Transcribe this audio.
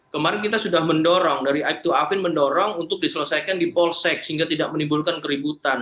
kemarin kita sudah mendorong dari aib dua avin mendorong untuk diselesaikan di polsek sehingga tidak menimbulkan keributan